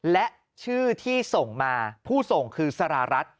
และชื่อที่ส่งมาผู้ส่งคือสหรัฐ